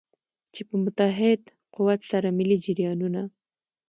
چې په متحد قوت سره ملي جریانونه.